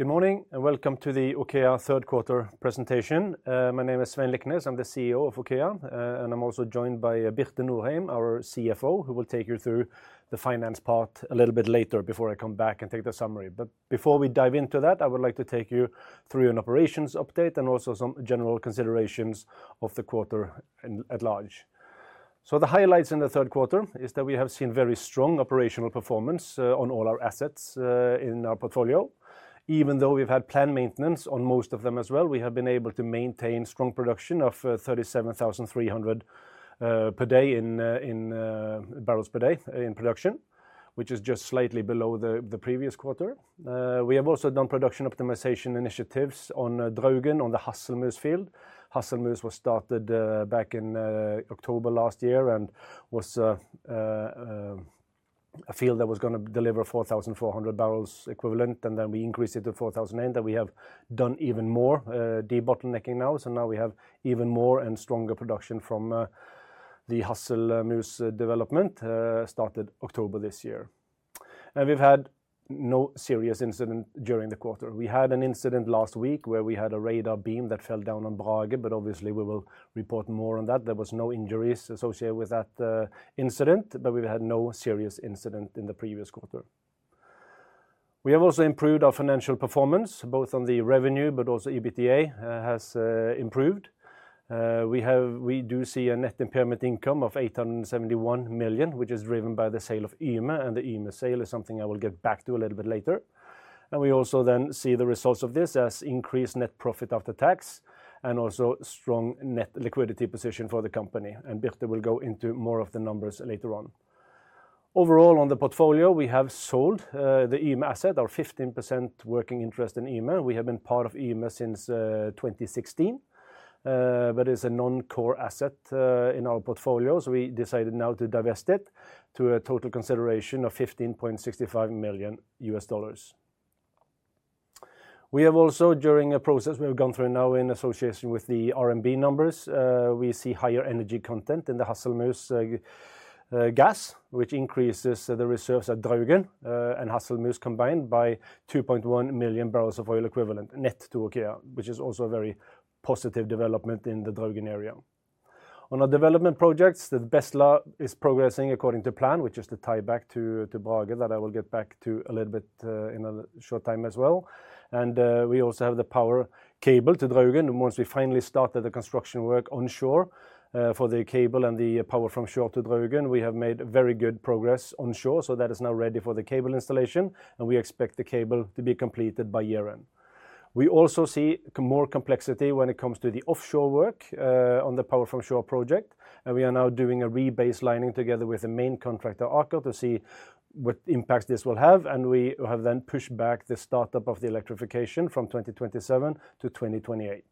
Good morning and welcome to the OKEA third quarter presentation. My name is Svein Liknes, I'm the CEO of OKEA, and I'm also joined by Birte Norheim, our CFO, who will take you through the finance part a little bit later before I come back and take the summary. But before we dive into that, I would like to take you through an operations update and also some general considerations of the quarter at large. So the highlights in the third quarter are that we have seen very strong operational performance on all our assets in our portfolio. Even though we've had planned maintenance on most of them as well, we have been able to maintain strong production of 37,300 per day in bpd in production, which is just slightly below the previous quarter. We have also done production optimization initiatives on Draugen, on the Hasselmus field. Hasselmus was started back in October last year and was a field that was going to deliver 4,400 bbl equivalent, and then we increased it to 4,000 bbl and then we have done even more de-bottlenecking now, so now we have even more and stronger production from the Hasselmus development started October this year, and we've had no serious incident during the quarter. We had an incident last week where we had a radar beam that fell down on Brage, but obviously we will report more on that. There were no injuries associated with that incident, but we've had no serious incident in the previous quarter. We have also improved our financial performance, both on the revenue, but also EBITDA has improved. We do see a net impairment income of 871 million, which is driven by the sale of Yme, and the Yme sale is something I will get back to a little bit later. We also then see the results of this as increased net profit after tax and also strong net liquidity position for the company. Birte will go into more of the numbers later on. Overall, on the portfolio, we have sold the Yme asset, our 15% working interest in Yme. We have been part of Yme since 2016, but it's a non-core asset in our portfolio, so we decided now to divest it to a total consideration of $15.65 million. We have also, during a process we've gone through now in association with the RNB numbers, we see higher energy content in the Hasselmus gas, which increases the reserves at Draugen and Hasselmus combined by 2.1 MMbbl of oil equivalent net to OKEA, which is also a very positive development in the Draugen area. On our development projects, the Bestla is progressing according to plan, which is to tie back to Brage that I will get back to a little bit in a short time as well. And we also have the power cable to Draugen. Once we finally started the construction work onshore for the cable and the power from shore to Draugen, we have made very good progress onshore, so that is now ready for the cable installation, and we expect the cable to be completed by year-end. We also see more complexity when it comes to the offshore work on the power from shore project, and we are now doing a rebaselining together with the main contractor, Aker, to see what impact this will have, and we have then pushed back the startup of the electrification from 2027-2028,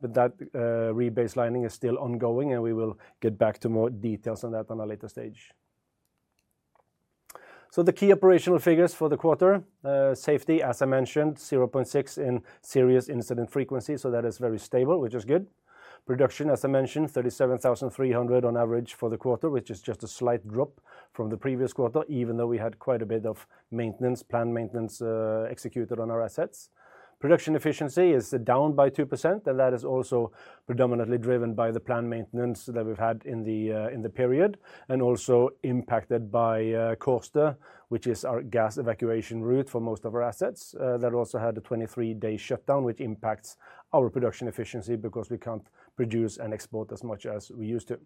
but that rebaselining is still ongoing, and we will get back to more details on that on a later stage, so the key operational figures for the quarter: safety, as I mentioned, 0.6 in serious incident frequency, so that is very stable, which is good. Production, as I mentioned, 37,300 on average for the quarter, which is just a slight drop from the previous quarter, even though we had quite a bit of maintenance, planned maintenance executed on our assets. Production efficiency is down by 2%, and that is also predominantly driven by the planned maintenance that we've had in the period and also impacted by Kårstø, which is our gas evacuation route for most of our assets that also had a 23-day shutdown, which impacts our production efficiency because we can't produce and export as much as we used to,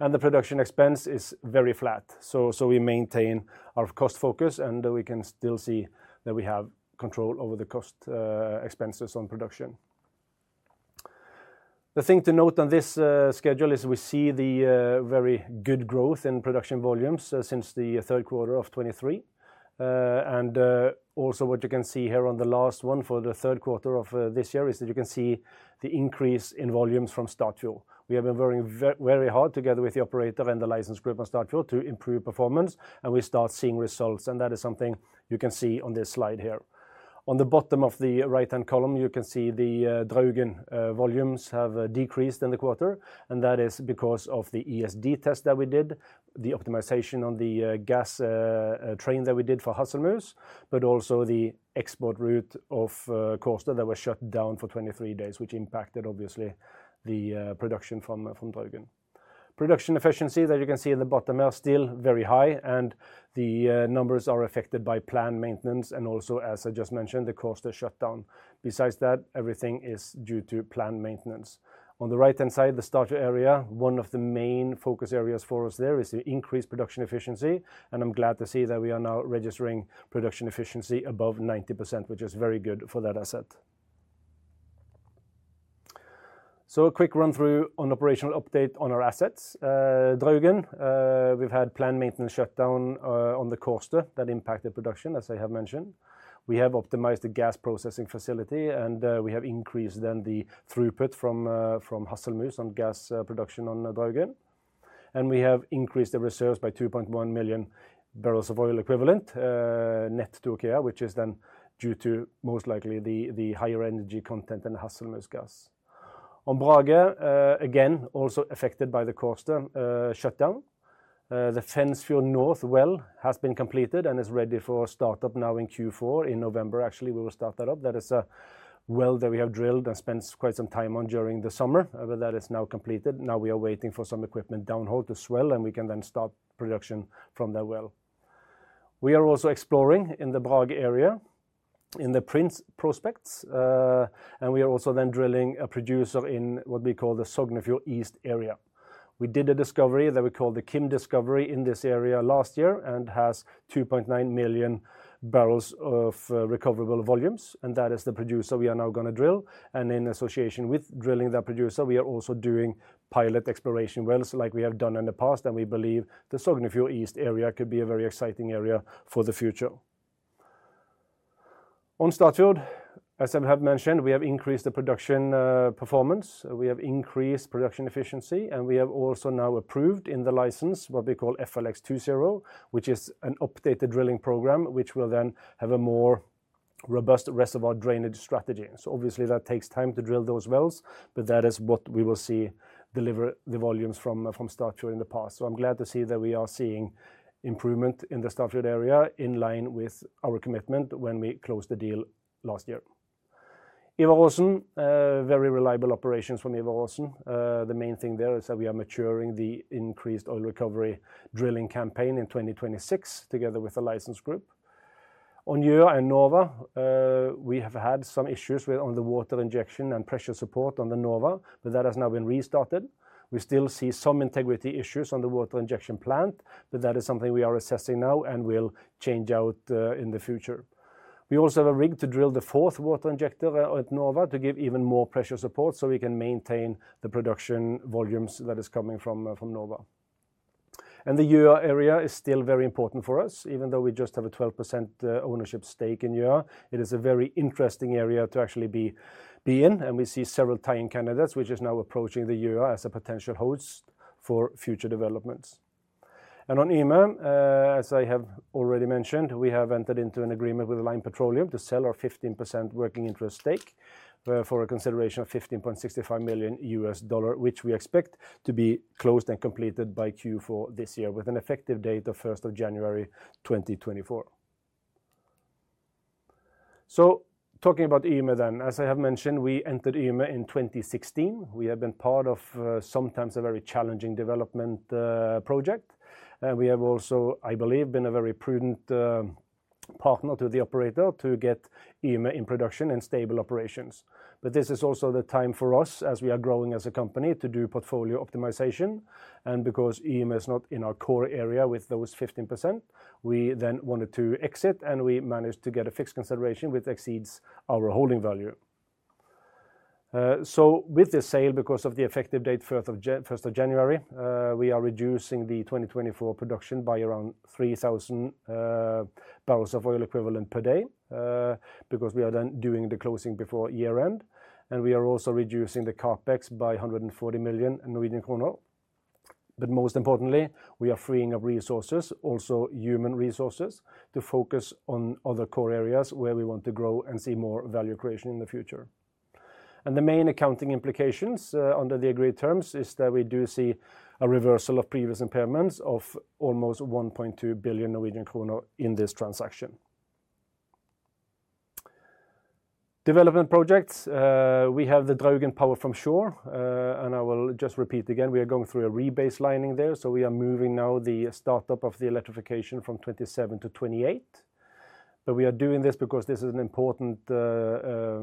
and the production expense is very flat, so we maintain our cost focus, and we can still see that we have control over the cost expenses on production. The thing to note on this schedule is we see the very good growth in production volumes since the third quarter of 2023, and also what you can see here on the last one for the third quarter of this year is that you can see the increase in volumes from Statfjord. We have been working very hard together with the operator and the license group on Statfjord to improve performance, and we start seeing results, and that is something you can see on this slide here. On the bottom of the right-hand column, you can see the Draugen volumes have decreased in the quarter, and that is because of the ESD test that we did, the optimization on the gas train that we did for Hasselmus, but also the export route of Kårstø that was shut down for 23 days, which impacted obviously the production from Draugen. Production efficiency that you can see in the bottom are still very high, and the numbers are affected by planned maintenance and also, as I just mentioned, the Kårstø shutdown. Besides that, everything is due to planned maintenance. On the right-hand side, the Statfjord area, one of the main focus areas for us there is to increase production efficiency, and I'm glad to see that we are now registering production efficiency above 90%, which is very good for that asset. A quick run-through on operational update on our assets. Draugen, we've had planned maintenance shutdown on the Kårstø that impacted production, as I have mentioned. We have optimized the gas processing facility, and we have increased then the throughput from Hasselmus on gas production on Draugen. We have increased the reserves by 2.1 MMbbl of oil equivalent net to OKEA, which is then due to most likely the higher energy content and the Hasselmus gas. On Brage, again, also affected by the Kårstø shutdown, the Fensfjord North well has been completed and is ready for startup now in Q4. In November, actually, we will start that up. That is a well that we have drilled and spent quite some time on during the summer, but that is now completed. Now we are waiting for some equipment downhole to swell, and we can then start production from that well. We are also exploring in the Brage area in the Prins Prospects, and we are also then drilling a producer in what we call the Sognefjord East area. We did a discovery that we called the Kim discovery in this area last year and has 2.9 MMbbl of recoverable volumes, and that is the producer we are now going to drill, and in association with drilling that producer, we are also doing pilot exploration wells like we have done in the past, and we believe the Sognefjord East area could be a very exciting area for the future. On Statfjord. As I have mentioned, we have increased the production performance, we have increased production efficiency, and we have also now approved in the license what we call FLX 2.0, which is an updated drilling program which will then have a more robust reservoir drainage strategy. So obviously that takes time to drill those wells, but that is what we will see deliver the volumes from Statfjord in the past. So I'm glad to see that we are seeing improvement in the Statfjord area in line with our commitment when we closed the deal last year. Ivar Aasen, very reliable operations from Ivar Aasen. The main thing there is that we are maturing the increased oil recovery drilling campaign in 2026 together with the license group. On Gjøa and Nova, we have had some issues with on the water injection and pressure support on the Nova, but that has now been restarted. We still see some integrity issues on the water injection plant, but that is something we are assessing now and will change out in the future. We also have a rig to drill the fourth water injector at Nova to give even more pressure support so we can maintain the production volumes that is coming from Nova. And the Gjøa area is still very important for us, even though we just have a 12% ownership stake in Gjøa. It is a very interesting area to actually be in, and we see several tie-in candidates, which is now approaching the Gjøa as a potential host for future developments. On Yme, as I have already mentioned, we have entered into an agreement with Lime Petroleum to sell our 15% working interest stake for a consideration of $15.65 million, which we expect to be closed and completed by Q4 this year with an effective date of 1st of January 2024. Talking about Yme then, as I have mentioned, we entered Yme in 2016. We have been part of sometimes a very challenging development project, and we have also, I believe, been a very prudent partner to the operator to get Yme in production and stable operations. But this is also the time for us, as we are growing as a company, to do portfolio optimization. Because Yme is not in our core area with those 15%, we then wanted to exit, and we managed to get a fixed consideration which exceeds our holding value. So with this sale, because of the effective date 1st of January, we are reducing the 2024 production by around 3,000 bbl of oil equivalent per day because we are then doing the closing before year-end. And we are also reducing the CapEx by 140 million Norwegian kroner. But most importantly, we are freeing up resources, also human resources, to focus on other core areas where we want to grow and see more value creation in the future. And the main accounting implications under the agreed terms is that we do see a reversal of previous impairments of almost 1.2 billion Norwegian kroner in this transaction. Development projects we have the Draugen power from shore, and I will just repeat again, we are going through a rebaselining there, so we are moving now the startup of the electrification from 27-28. But we are doing this because this is an important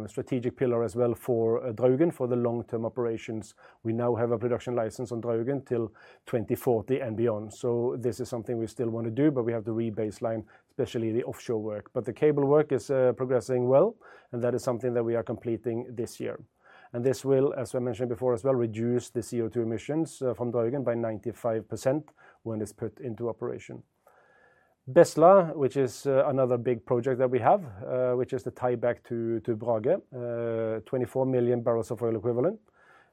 strategic pillar as well for Draugen for the long-term operations. We now have a production license on Draugen till 2040 and beyond. So this is something we still want to do, but we have to rebaseline, especially the offshore work. But the cable work is progressing well, and that is something that we are completing this year. And this will, as I mentioned before as well, reduce the CO2 emissions from Draugen by 95% when it's put into operation. Bestla, which is another big project that we have, which is the tie-back to Brage, 24 MMbbl of oil equivalent,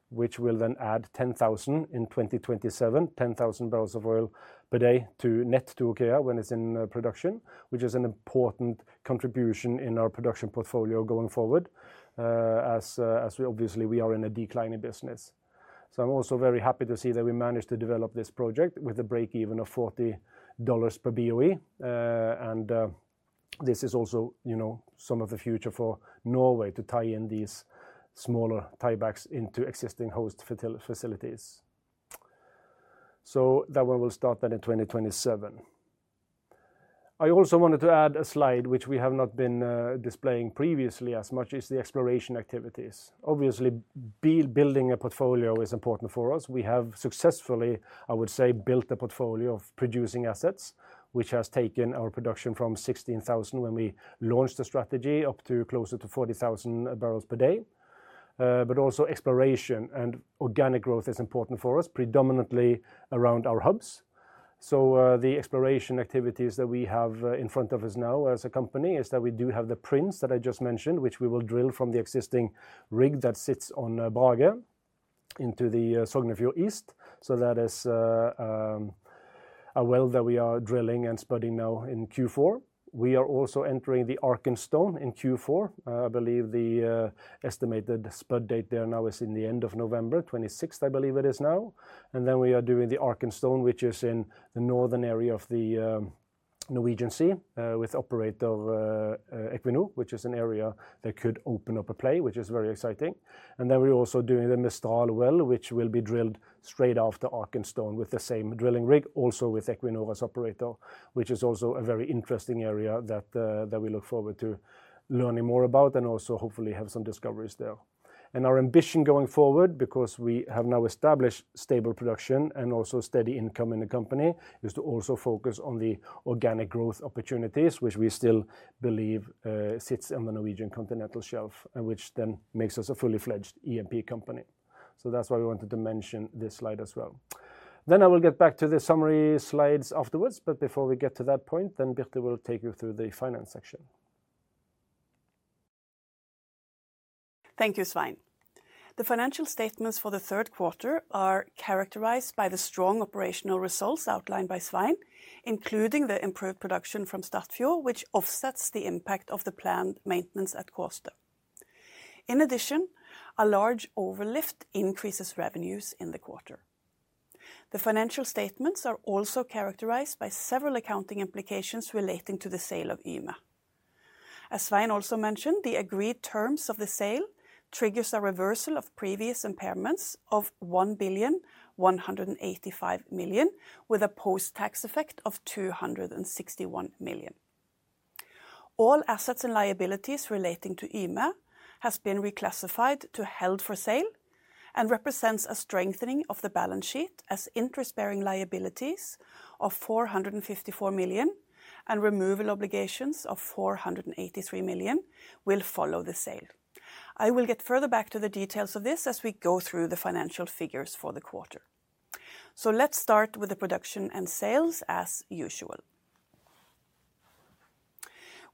which will then add 10,000 in 2027, 10,000 bbl of oil per day to net to OKEA when it's in production, which is an important contribution in our production portfolio going forward, as obviously we are in a declining business. I'm also very happy to see that we managed to develop this project with a break-even of $40 per BOE. This is also some of the future for Norway to tie in these smaller tie-backs into existing host facilities. That one will start then in 2027. I also wanted to add a slide which we have not been displaying previously as much as the exploration activities. Obviously, building a portfolio is important for us. We have successfully, I would say, built a portfolio of producing assets, which has taken our production from 16,000 when we launched the strategy up to closer to 40,000 bpd. Exploration and organic growth is important for us, predominantly around our hubs. The exploration activities that we have in front of us now as a company is that we do have the Prins that I just mentioned, which we will drill from the existing rig that sits on Brage into the Sognefjord East. That is a well that we are drilling and spudding now in Q4. We are also entering the Arkenstone in Q4. I believe the estimated spud date there now is in the end of November, 26th, I believe it is now. And then we are doing the Arkenstone, which is in the northern area of the Norwegian Sea with operator Equinor, which is an area that could open up a play, which is very exciting. And then we're also doing the Mistral well, which will be drilled straight after Arkenstone with the same drilling rig, also with Equinor as operator, which is also a very interesting area that we look forward to learning more about and also hopefully have some discoveries there. And our ambition going forward, because we have now established stable production and also steady income in the company, is to also focus on the organic growth opportunities, which we still believe sits on the Norwegian Continental Shelf, which then makes us a full-fledged E&P company. So that's why we wanted to mention this slide as well. Then I will get back to the summary slides afterwards, but before we get to that point, then Birte will take you through the finance section. Thank you, Svein. The financial statements for the third quarter are characterized by the strong operational results outlined by Svein, including the improved production from Statfjord which offsets the impact of the planned maintenance at Kårstø. In addition, a large overlift increases revenues in the quarter. The financial statements are also characterized by several accounting implications relating to the sale of Yme. As Svein also mentioned, the agreed terms of the sale triggers a reversal of previous impairments of 1.185 billion, with a post-tax effect of 261 million. All assets and liabilities relating to Yme have been reclassified to held for sale and represent a strengthening of the balance sheet as interest-bearing liabilities of 454 million and removal obligations of 483 million will follow the sale. I will get further back to the details of this as we go through the financial figures for the quarter. So let's start with the production and sales as usual.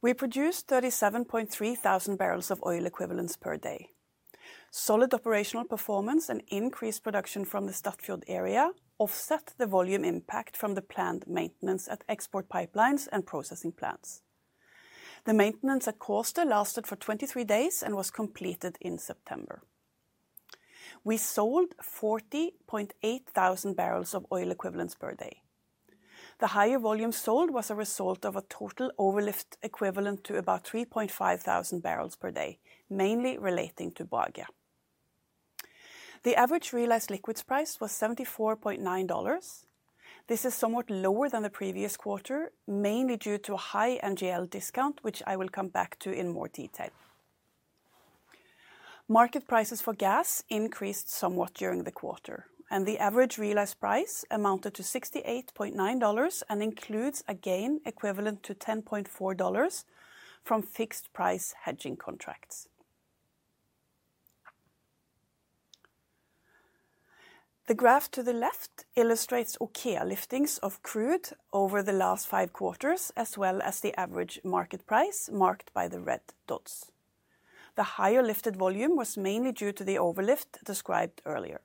We produce 37,300 bbl of oil equivalents per day. Solid operational performance and increased production from the Statfjord area offset the volume impact from the planned maintenance at export pipelines and processing plants. The maintenance at Kårstø lasted for 23 days and was completed in September. We sold 40,800 bbl of oil equivalents per day. The higher volume sold was a result of a total overlift equivalent to about 3,500 bpd, mainly relating to Brage. The average realized liquids price was $74.9. This is somewhat lower than the previous quarter, mainly due to a high NGL discount, which I will come back to in more detail. Market prices for gas increased somewhat during the quarter, and the average realized price amounted to $68.9 and includes a gain equivalent to $10.4 from fixed price hedging contracts. The graph to the left illustrates OKEA liftings of crude over the last five quarters, as well as the average market price marked by the red dots. The higher lifted volume was mainly due to the overlift described earlier.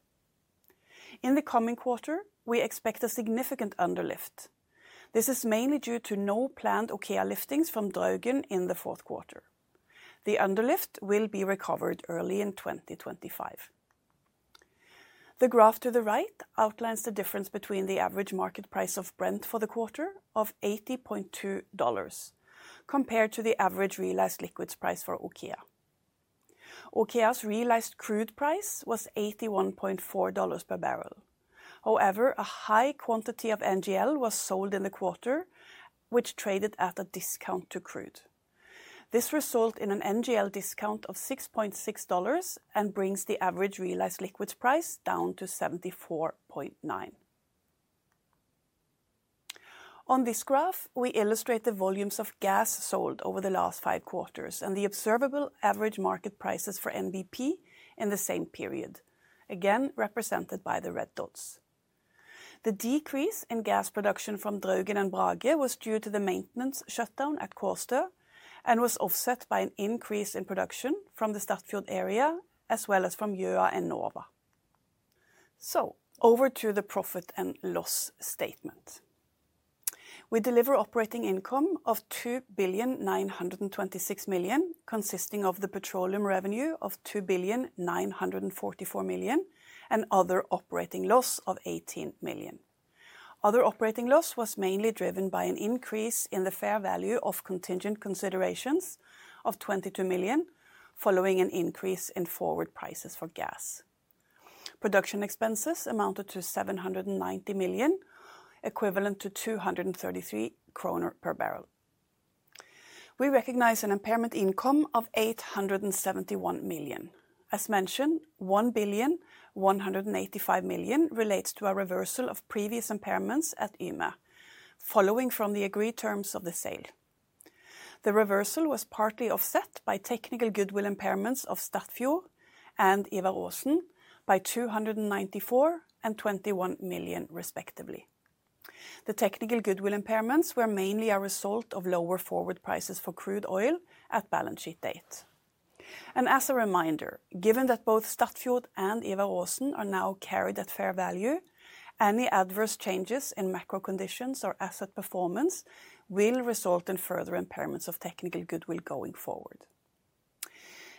In the coming quarter, we expect a significant underlift. This is mainly due to no planned OKEA liftings from Draugen in the fourth quarter. The underlift will be recovered early in 2025. The graph to the right outlines the difference between the average market price of Brent for the quarter of $80.2 compared to the average realized liquids price for OKEA. OKEA's realized crude price was $81.4 per bbl. However, a high quantity of NGL was sold in the quarter, which traded at a discount to crude. This resulted in an NGL discount of $6.6 and brings the average realized liquids price down to $74.9. On this graph, we illustrate the volumes of gas sold over the last five quarters and the observable average market prices for NBP in the same period, again represented by the red dots. The decrease in gas production from Draugen and Brage was due to the maintenance shutdown at Kårstø and was offset by an increase in production from the Statfjord area as well as from Gjøa and Nova. So over to the profit and loss statement. We deliver operating income of 2.926 billion, consisting of the petroleum revenue of 2.944 billion and other operating loss of 18 million. Other operating loss was mainly driven by an increase in the fair value of contingent considerations of 22 million following an increase in forward prices for gas. Production expenses amounted to 790 million, equivalent to 233 kroner per bbl. We recognize an impairment income of 871 million. As mentioned, 1.185 billion relates to a reversal of previous impairments at Yme, following from the agreed terms of the sale. The reversal was partly offset by technical goodwill impairments of Statfjord and Ivar Aasen by 294 million and 21 million, respectively. The technical goodwill impairments were mainly a result of lower forward prices for crude oil at balance sheet date. As a reminder, given that both Statfjord and Ivar Aasen are now carried at fair value, any adverse changes in macro conditions or asset performance will result in further impairments of technical goodwill going forward.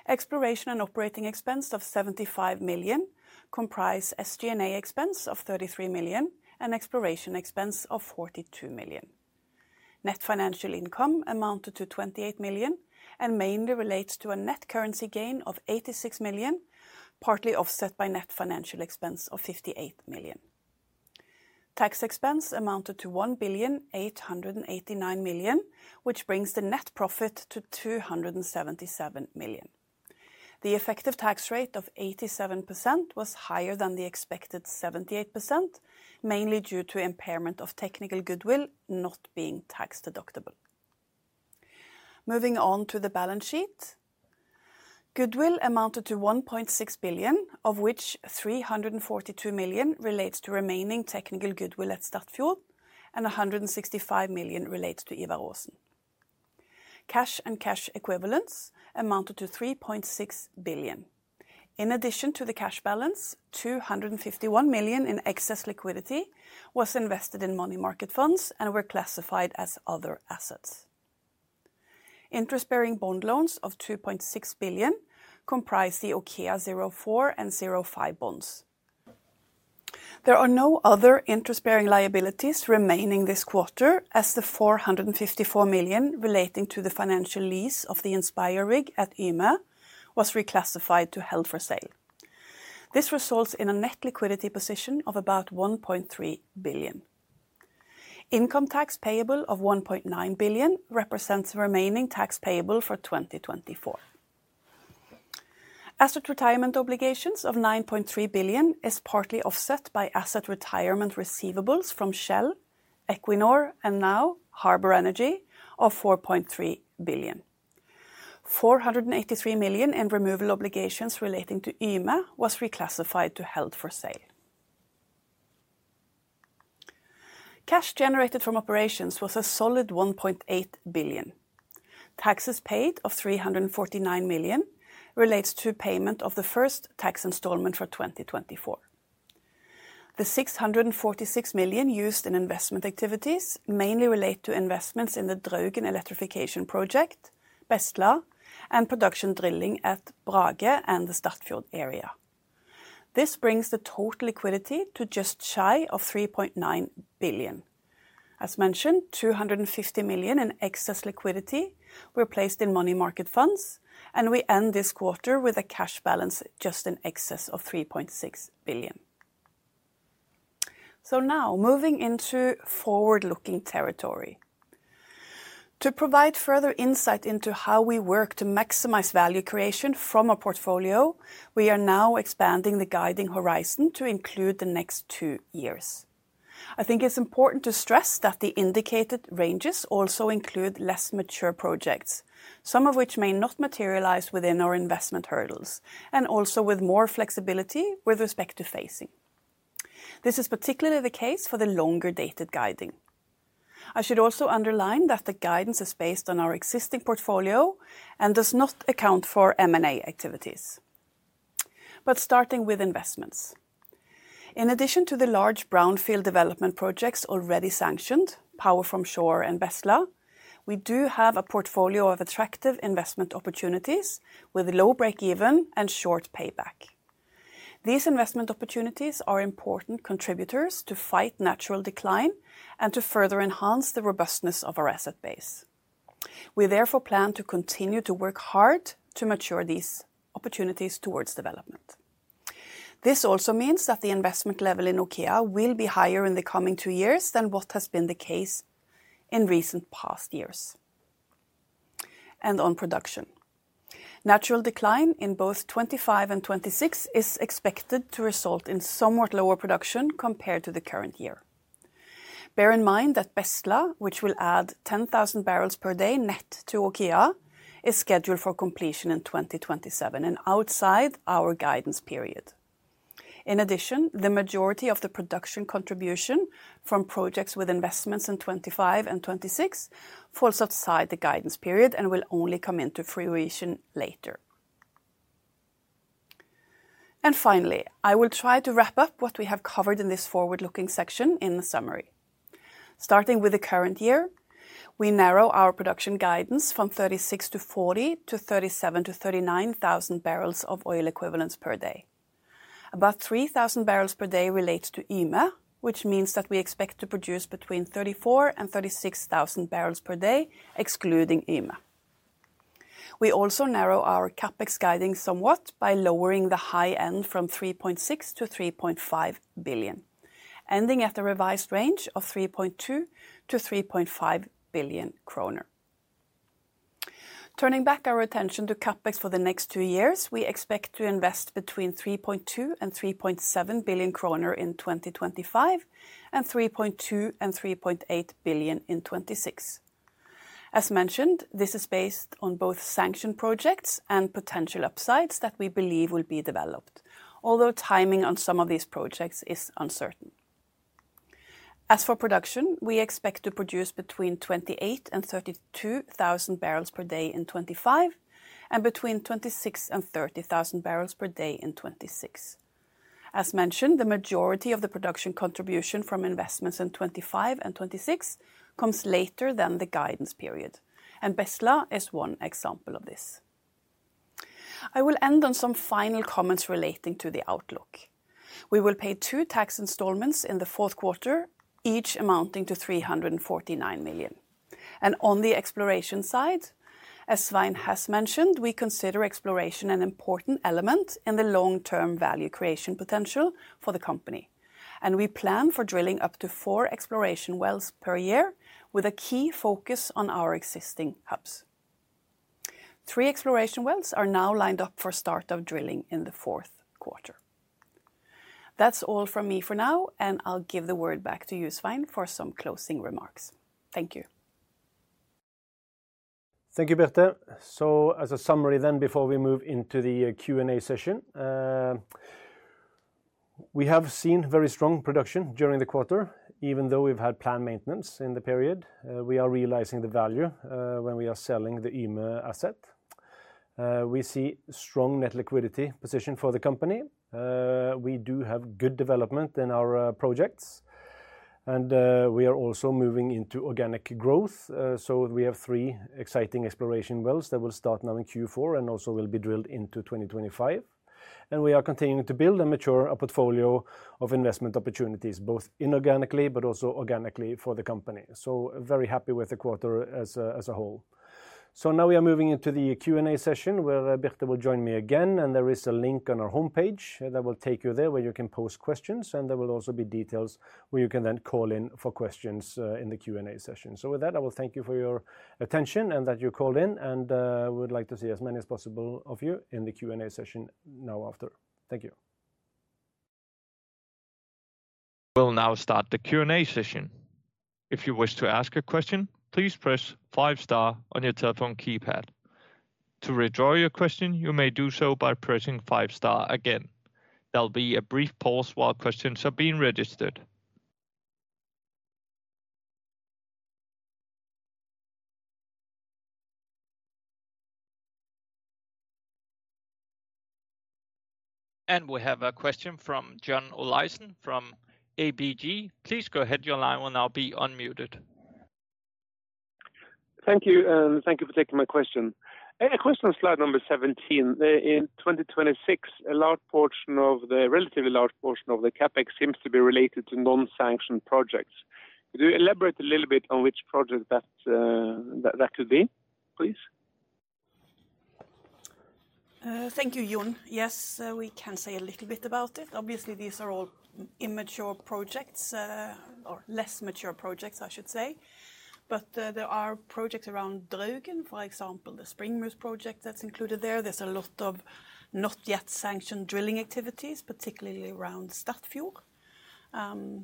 Exploration and operating expense of 75 million comprises SG&A expense of 33 million and exploration expense of 42 million. Net financial income amounted to 28 million and mainly relates to a net currency gain of 86 million, partly offset by net financial expense of 58 million. Tax expense amounted to 1.889 billion, which brings the net profit to 277 million. The effective tax rate of 87% was higher than the expected 78%, mainly due to impairment of technical goodwill not being tax deductible. Moving on to the balance sheet, goodwill amounted to 1.6 billion, of which 342 million relates to remaining technical goodwill at Statfjord and 165 million relates to Ivar Aasen. Cash and cash equivalents amounted to 3.6 billion. In addition to the cash balance, 251 million in excess liquidity was invested in money market funds and were classified as other assets. Interest-bearing bond loans of 2.6 billion comprise the OKEA 04 and 05 bonds. There are no other interest-bearing liabilities remaining this quarter, as the 454 million relating to the financial lease of the Inspirer rig at Yme was reclassified to held for sale. This results in a net liquidity position of about 1.3 billion. Income tax payable of 1.9 billion represents remaining tax payable for 2024. Asset retirement obligations of 9.3 billion is partly offset by asset retirement receivables from Shell, Equinor, and now Harbour Energy of 4.3 billion. 483 million in removal obligations relating to Yme was reclassified to held for sale. Cash generated from operations was a solid 1.8 billion. Taxes paid of 349 million relates to payment of the first tax installment for 2024. The 646 million used in investment activities mainly relate to investments in the Draugen electrification project, Bestla, and production drilling at Brage and the Statfjord area. This brings the total liquidity to just shy of 3.9 billion. As mentioned, 250 million in excess liquidity were placed in money market funds, and we end this quarter with a cash balance just in excess of 3.6 billion. So now moving into forward-looking territory. To provide further insight into how we work to maximize value creation from our portfolio, we are now expanding the guiding horizon to include the next two years. I think it's important to stress that the indicated ranges also include less mature projects, some of which may not materialize within our investment hurdles and also with more flexibility with respect to phasing. This is particularly the case for the longer dated guiding. I should also underline that the guidance is based on our existing portfolio and does not account for M&A activities. Starting with investments. In addition to the large brownfield development projects already sanctioned, Power from Shore and Bestla, we do have a portfolio of attractive investment opportunities with low break-even and short payback. These investment opportunities are important contributors to fight natural decline and to further enhance the robustness of our asset base. We therefore plan to continue to work hard to mature these opportunities towards development. This also means that the investment level in OKEA will be higher in the coming two years than what has been the case in recent past years. On production. Natural decline in both 2025 and 2026 is expected to result in somewhat lower production compared to the current year. Bear in mind that Bestla, which will add 10,000 bpd net to OKEA, is scheduled for completion in 2027 and outside our guidance period. In addition, the majority of the production contribution from projects with investments in 2025 and 2026 falls outside the guidance period and will only come into fruition later. Finally, I will try to wrap up what we have covered in this forward-looking section in a summary. Starting with the current year, we narrow our production guidance from 36,000 bbl-40,000 bbl to 37,000 bbl-39,000 bbl of oil equivalents per day. About 3,000 bpd relates to Yme, which means that we expect to produce between 34,000 bpd and 36,000 bpd, excluding Yme. We also narrow our CapEx guidance somewhat by lowering the high end from 3.6 billion-3.5 billion, ending at a revised range of 3.2 billion-3.5 billion kroner. Turning back our attention to CapEx for the next two years, we expect to invest between 3.2 billion and 3.7 billion kroner in 2025 and 3.2 billion and 3.8 billion in 2026. As mentioned, this is based on both sanctioned projects and potential upsides that we believe will be developed, although timing on some of these projects is uncertain. As for production, we expect to produce between 28,000 bpd and 32,000 bpd in 2025 and between 26,000 bpd and 30,000 bpd in 2026. As mentioned, the majority of the production contribution from investments in 2025 and 2026 comes later than the guidance period, and Bestla is one example of this. I will end on some final comments relating to the outlook. We will pay two tax installments in the fourth quarter, each amounting to 349 million. On the exploration side, as Svein has mentioned, we consider exploration an important element in the long-term value creation potential for the company, and we plan for drilling up to four exploration wells per year with a key focus on our existing hubs. Three exploration wells are now lined up for start of drilling in the fourth quarter. That's all from me for now, and I'll give the word back to you, Svein, for some closing remarks. Thank you. Thank you, Birte. As a summary then, before we move into the Q&A session, we have seen very strong production during the quarter, even though we've had planned maintenance in the period. We are realizing the value when we are selling the Yme asset. We see strong net liquidity position for the company. We do have good development in our projects, and we are also moving into organic growth. We have three exciting exploration wells that will start now in Q4 and also will be drilled into 2025. And we are continuing to build and mature a portfolio of investment opportunities, both inorganically but also organically for the company. Very happy with the quarter as a whole. Now we are moving into the Q&A session where Birte will join me again, and there is a link on our homepage that will take you there where you can post questions, and there will also be details where you can then call in for questions in the Q&A session. With that, I will thank you for your attention and that you called in, and we would like to see as many as possible of you in the Q&A session now after. Thank you. We'll now start the Q&A session. If you wish to ask a question, please press five star on your telephone keypad. To withdraw your question, you may do so by pressing five star again. There'll be a brief pause while questions are being registered. And we have a question from John Olaisen from ABG. Please go ahead, your line will now be unmuted. Thank you, and thank you for taking my question. A question on slide number 17. In 2026, a large portion of the relatively large portion of the CapEx seems to be related to non-sanctioned projects. Could you elaborate a little bit on which project that that could be, please? Thank you, John. Yes, we can say a little bit about it. Obviously, these are all immature projects or less mature projects, I should say. But there are projects around Draugen, for example, the Springmus project that's included there. There's a lot of not yet sanctioned drilling activities, particularly around Statfjord.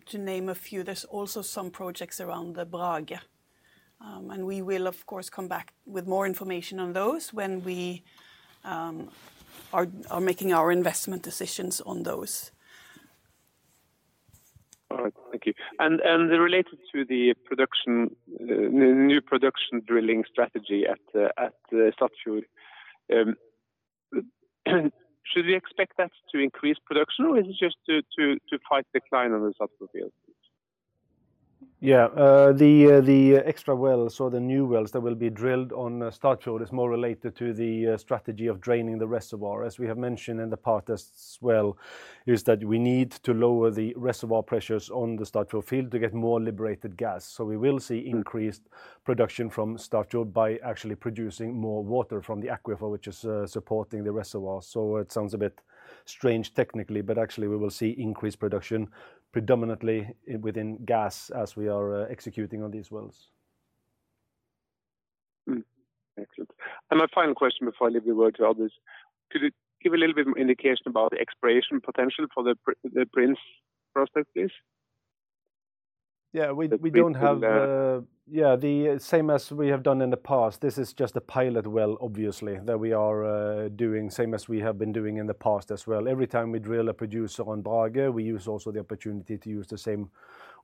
To name a few, there's also some projects around the Brage. And we will, of course, come back with more information on those when we are making our investment decisions on those. All right, thank you. And related to the new production drilling strategy at Statfjord. Should we expect that to increase production, or is it just to fight decline on the Statfjord field? Yeah, the extra wells or the new wells that will be drilled on Statfjord is more related to the strategy of draining the reservoir. As we have mentioned in the past as well, is that we need to lower the reservoir pressures on the Statfjord field to get more liberated gas. So we will see increased production from Statfjord by actually producing more water from the aquifer, which is supporting the reservoir. It sounds a bit strange technically, but actually we will see increased production predominantly within gas as we are executing on these wells. Excellent. And my final question before I leave the floor to others. Could you give a little bit of indication about the exploration potential for the Prins project, please? Yeah, we don't have, yeah, the same as we have done in the past. This is just a pilot well, obviously, that we are doing, same as we have been doing in the past as well. Every time we drill a producer on Brage, we use also the opportunity to use the same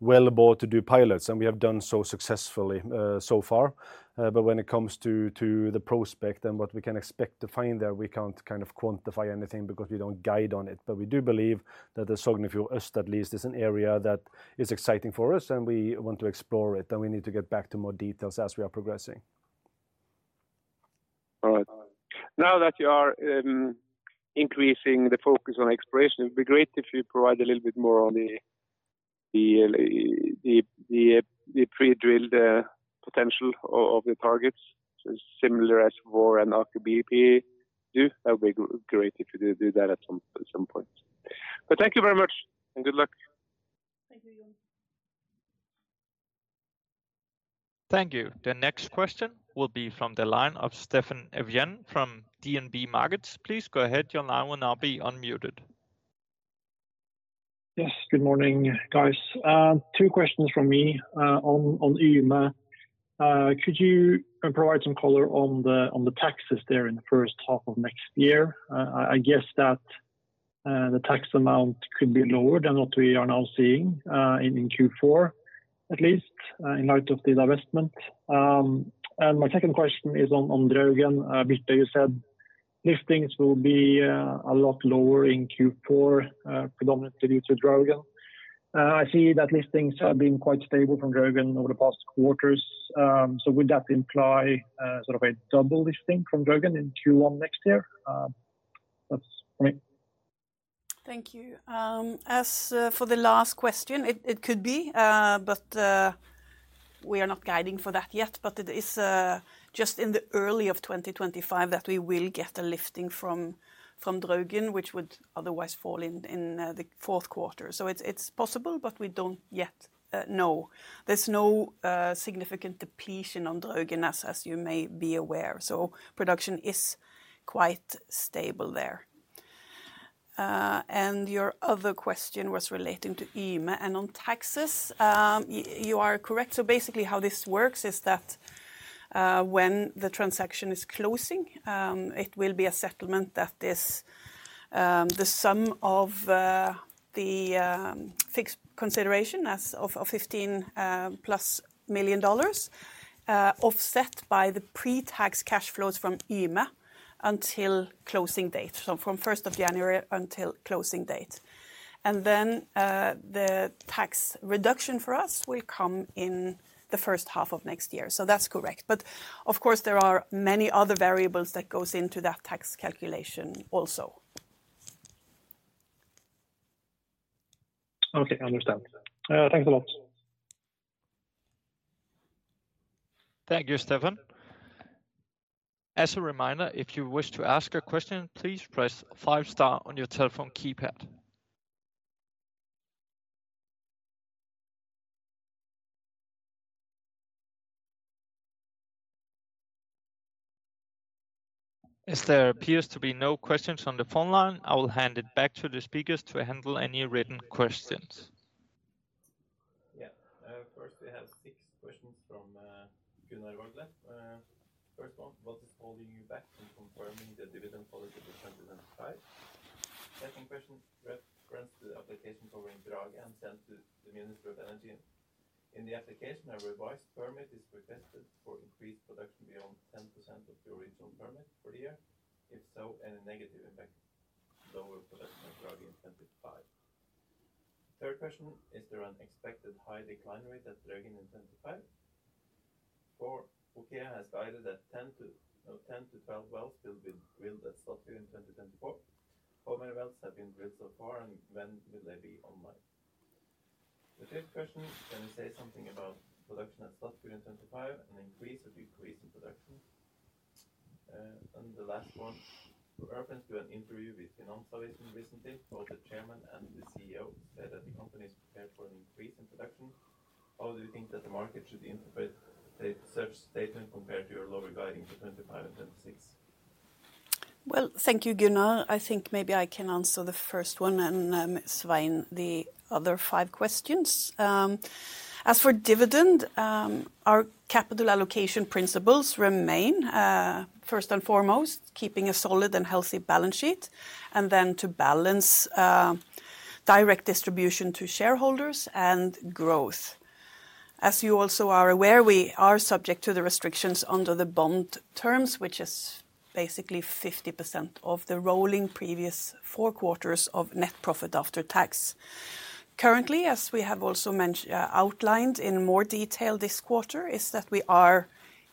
well bore to do pilots, and we have done so successfully so far. But when it comes to the prospect and what we can expect to find there, we can't kind of quantify anything because we don't guide on it. But we do believe that the Sognefjord East, at least, is an area that is exciting for us, and we want to explore it, and we need to get back to more details as we are progressing. All right. Now that you are increasing the focus on exploration, it would be great if you provide a little bit more on the pre-drilled potential of the targets, similar as Vår and AKBP do. That would be great if you do that at some point. But thank you very much and good luck. Thank you, John. Thank you. The next question will be from the line of Steffen Evjen from DNB Markets. Please go ahead, your line will now be unmuted. Yes, good morning, guys. Two questions from me on Yme. Could you provide some color on the taxes there in the first half of next year? I guess that the tax amount could be lower than what we are now seeing in Q4, at least in light of the divestment. And my second question is on Draugen. Birte, you said liftings will be a lot lower in Q4, predominantly due to Draugen. I see that liftings have been quite stable from Draugen over the past quarters. So would that imply sort of a double lifting from Draugen in Q1 next year? That's for me. Thank you. As for the last question, it could be, but we are not guiding for that yet. But it is just in the early in 2025 that we will get a lifting from Draugen, which would otherwise fall in the fourth quarter. So it's possible, but we don't yet know. There's no significant depletion on Draugen, as you may be aware. So production is quite stable there. Your other question was relating to Yme. On taxes, you are correct. Basically how this works is that when the transaction is closing, it will be a settlement that is the sum of the fixed consideration of $15 million offset by the pre-tax cash flows from Yme until closing date, so from 1st of January until closing date. Then the tax reduction for us will come in the first half of next year. That's correct. But of course, there are many other variables that go into that tax calculation also. Okay, understood. Thanks a lot. Thank you, Steffen. As a reminder, if you wish to ask a question, please press five star on your telephone keypad. As there appears to be no questions on the phone line, I will hand it back to the speakers to handle any written questions. Yeah, first we have six questions from Gunnar Wagle. First one, what is holding you back from confirming the dividend policy for 2025? Second question references the application for Brage and sent to the Ministry of Energy. In the application, a revised permit is requested for increased production beyond 10% of the original permit for the year. If so, any negative impact lower production of Brage in 2025? Third question, is there an expected high decline rate at Draugen in 2025? Four, OKEA has guided that 10 wells-12 wells will be drilled at Statfjord in 2024. How many wells have been drilled so far, and when will they be online? The fifth question, can you say something about production at Statfjord in 2025 and the increase or decrease in production? And the last one, reference to an interview with Finansavisen recently. Both the chairman and the CEO said that the company is prepared for an increase in production. How do you think that the market should interpret such a statement compared to your lower guidance for 2025 and 2026? Well, thank you, Gunnar. I think maybe I can answer the first one and, Svein, the other five questions. As for dividend, our capital allocation principles remain. First and foremost, keeping a solid and healthy balance sheet, and then to balance direct distribution to shareholders and growth. As you also are aware, we are subject to the restrictions under the bond terms, which is basically 50% of the rolling previous four quarters of net profit after tax. Currently, as we have also outlined in more detail this quarter, is that we are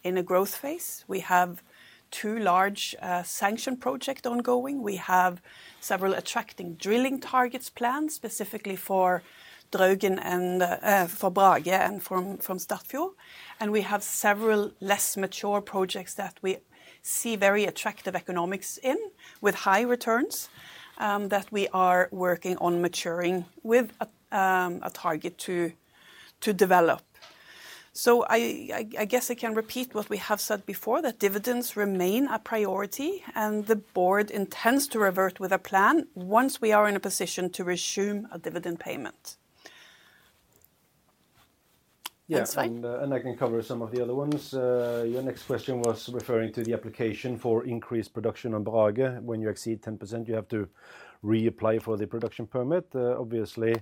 in a growth phase. We have two large sanction projects ongoing. We have several attractive drilling targets planned specifically for Draugen and for Brage and for Statfjord. And we have several less mature projects that we see very attractive economics in, with high returns, that we are working on maturing with a target to develop. So I guess I can repeat what we have said before, that dividends remain a priority, and the board intends to revert with a plan once we are in a position to resume a dividend payment. Yes, and I can cover some of the other ones. Your next question was referring to the application for increased production on Brage. When you exceed 10%, you have to reapply for the production permit. Obviously,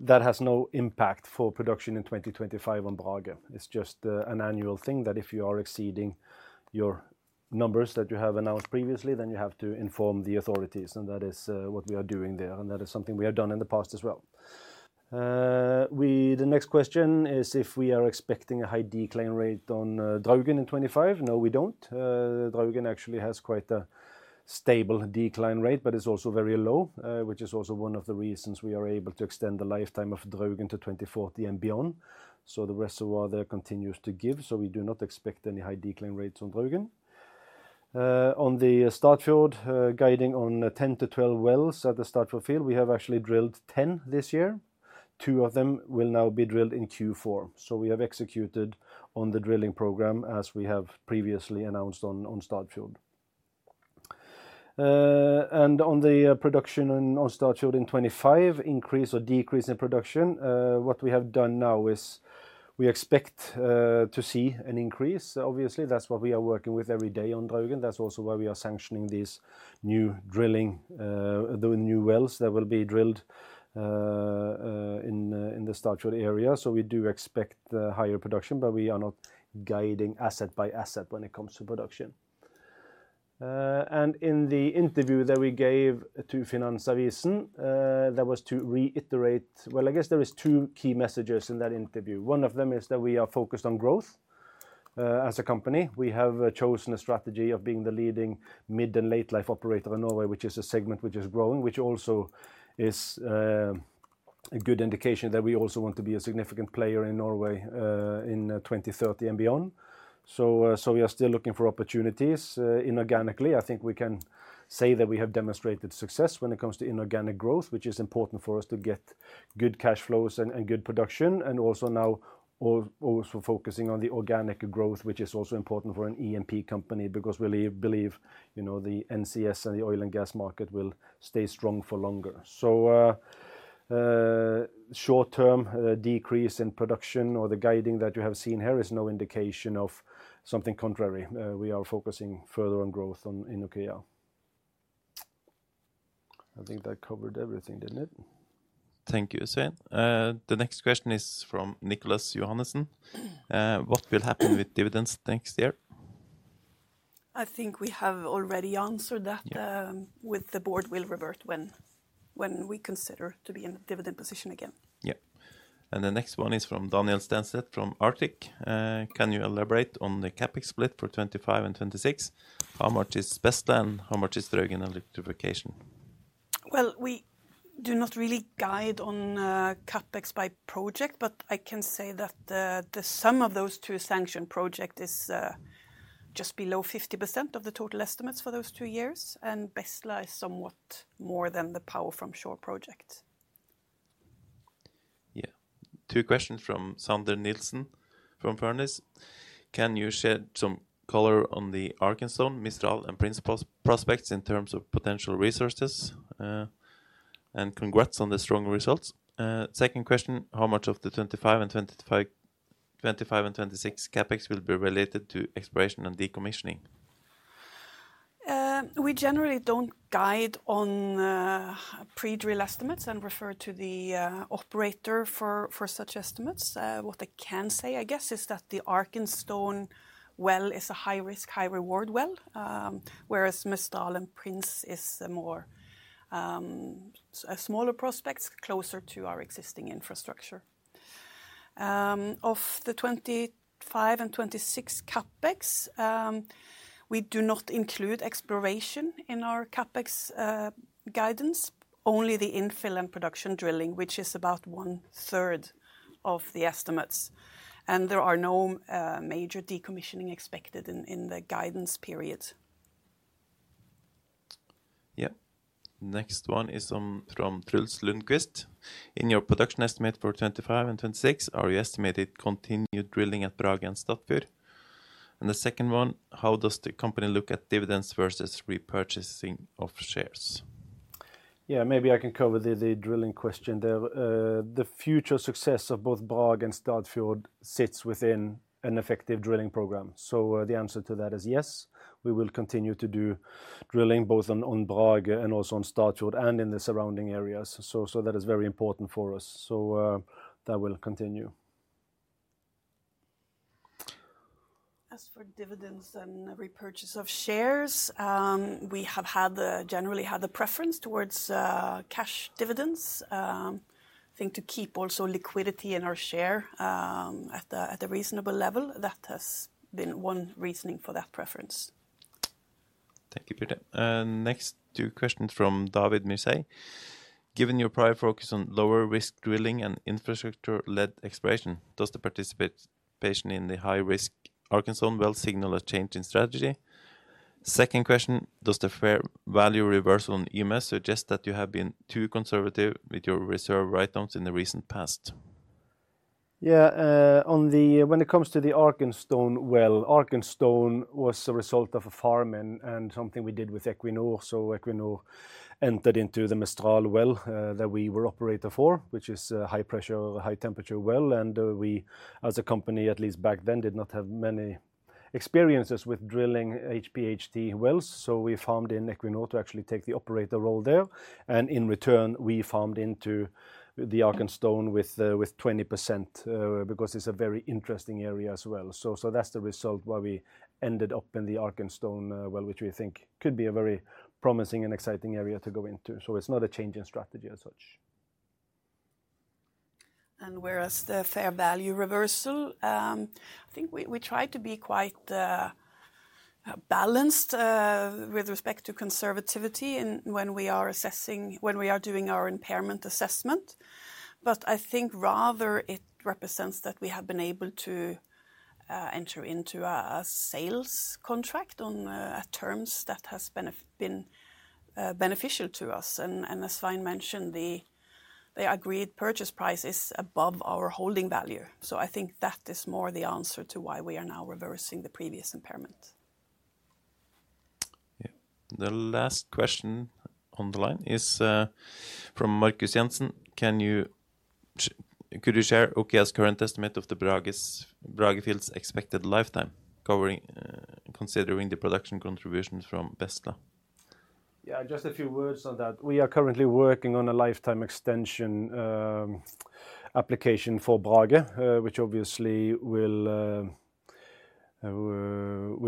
that has no impact for production in 2025 on Brage. It's just an annual thing that if you are exceeding your numbers that you have announced previously, then you have to inform the authorities. That is what we are doing there. That is something we have done in the past as well. The next question is if we are expecting a high decline rate on Draugen in 2025. No, we don't. Draugen actually has quite a stable decline rate, but it's also very low, which is also one of the reasons we are able to extend the lifetime of Draugen to 2040 and beyond. The reservoir there continues to give. We do not expect any high decline rates on Draugen. On the Statfjord guiding on 10 wells-12 wells at the Statfjord field, we have actually drilled 10 this year. Two of them will now be drilled in Q4. We have executed on the drilling program as we have previously announced on Statfjord. And on the production on Statfjord in 2025, increase or decrease in production, what we have done now is we expect to see an increase. Obviously, that's what we are working with every day on Draugen. That's also why we are sanctioning these new drilling, the new wells that will be drilled in the Statfjord area. So we do expect higher production, but we are not guiding asset by asset when it comes to production. And in the interview that we gave to Finansavisen, that was to reiterate, well, I guess there are two key messages in that interview. One of them is that we are focused on growth as a company. We have chosen a strategy of being the leading mid and late-life operator in Norway, which is a segment which is growing, which also is a good indication that we also want to be a significant player in Norway in 2030 and beyond. So we are still looking for opportunities inorganically. I think we can say that we have demonstrated success when it comes to inorganic growth, which is important for us to get good cash flows and good production. And also now also focusing on the organic growth, which is also important for an E&P company because we believe the NCS and the oil and gas market will stay strong for longer. So short-term decrease in production or the guiding that you have seen here is no indication of something contrary. We are focusing further on growth in OKEA. I think that covered everything, didn't it? Thank you, Svein. The next question is from Niklas Johannesen. What will happen with dividends next year? I think we have already answered that with the board will revert when we consider to be in a dividend position again. Yeah. And the next one is from Daniel Stenslet from Arctic. Can you elaborate on the CapEx split for 2025 and 2026? How much is Bestla and how much is Draugen electrification? Well, we do not really guide on CapEx by project, but I can say that the sum of those two sanctioned projects is just below 50% of the total estimates for those two years. And Bestla is somewhat more than the power from shore project. Yeah. Two questions from Sander Nielsen from Fearnley. Can you shed some color on the Arkenstone, Mistral, and Prins prospects in terms of potential resources? And congrats on the strong results. Second question, how much of the 2025 and 2026 CapEx will be related to exploration and decommissioning? We generally don't guide on pre-drill estimates and refer to the operator for such estimates. What I can say, I guess, is that the Arkenstone well is a high-risk, high-reward well, whereas Mistral and Prins is a smaller prospect, closer to our existing infrastructure. Of the 2025 and 2026 CapEx, we do not include exploration in our CapEx guidance, only the infill and production drilling, which is about one-third of the estimates, and there are no major decommissioning expected in the guidance period. Yeah. Next one is from Truls Lundqvist. In your production estimate for 2025 and 2026, are you estimating continued drilling at Brage and Statfjord? And the second one, how does the company look at dividends versus repurchasing of shares? Yeah, maybe I can cover the drilling question there. The future success of both Brage and Statfjord sits within an effective drilling program. So the answer to that is yes. We will continue to do drilling both on Brage and also on Statfjord and in the surrounding areas. So that is very important for us. So that will continue. As for dividends and repurchase of shares, we have generally had the preference towards cash dividends. I think to keep also liquidity in our share at a reasonable level, that has been one reasoning for that preference. Thank you, Birte. Next, two questions from David Mirzai. Given your prior focus on lower-risk drilling and infrastructure-led exploration, does the participation in the high-risk Arkenstone well signal a change in strategy? Second question, does the fair value reversal in E&P suggest that you have been too conservative with your reserve write-downs in the recent past? Yeah, when it comes to the Arkenstone well, Arkenstone was a result of a farm-in something we did with Equinor. So Equinor entered into the Mistral well that we were operator for, which is a high-pressure, high-temperature well. And we, as a company, at least back then, did not have many experiences with drilling HPHT wells. So we farmed in Equinor to actually take the operator role there. And in return, we farmed into the Arkenstone with 20% because it's a very interesting area as well. So that's the result why we ended up in the Arkenstone well, which we think could be a very promising and exciting area to go into. So it's not a change in strategy as such. Whereas the fair value reversal, I think we try to be quite balanced with respect to conservatism when we are assessing, when we are doing our impairment assessment. But I think rather it represents that we have been able to enter into a sales contract on terms that have been beneficial to us. And as Svein mentioned, the agreed purchase price is above our holding value. So I think that is more the answer to why we are now reversing the previous impairment. Yeah, the last question on the line is from Marcus Jansen. Could you share OKEA's current estimate of the Brage field's expected lifetime considering the production contribution from Bestla? Yeah, just a few words on that. We are currently working on a lifetime extension application for Brage, which obviously will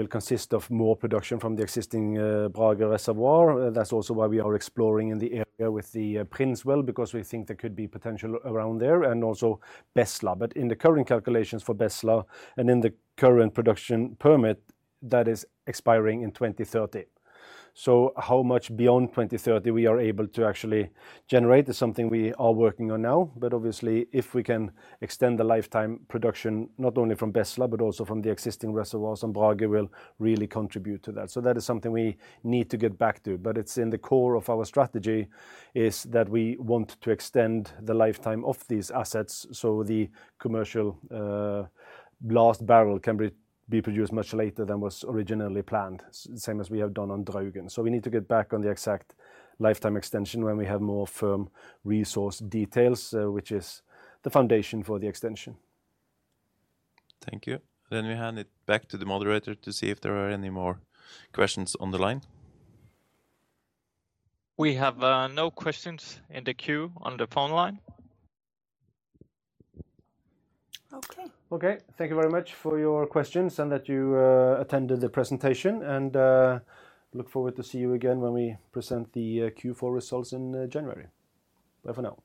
consist of more production from the existing Brage reservoir. That's also why we are exploring in the area with the Prins well, because we think there could be potential around there and also Bestla. But in the current calculations for Bestla and in the current production permit, that is expiring in 2030. So how much beyond 2030 we are able to actually generate is something we are working on now. But obviously, if we can extend the lifetime production not only from Bestla, but also from the existing reservoirs on Brage, we'll really contribute to that. So that is something we need to get back to. But it's in the core of our strategy that we want to extend the lifetime of these assets so the commercial last barrel can be produced much later than was originally planned, same as we have done on Draugen. So we need to get back on the exact lifetime extension when we have more firm resource details, which is the foundation for the extension. Thank you. Then we hand it back to the moderator to see if there are any more questions on the line. We have no questions in the queue on the phone line. Okay. Okay, thank you very much for your questions and that you attended the presentation. And look forward to see you again when we present the Q4 results in January. Bye for now.